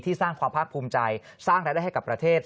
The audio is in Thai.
สร้างความภาคภูมิใจสร้างรายได้ให้กับประเทศ